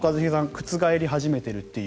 覆り始めているという。